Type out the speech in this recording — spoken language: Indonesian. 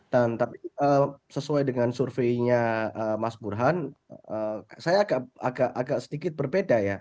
dan sesuai dengan surveinya mas burhan saya agak sedikit berbeda ya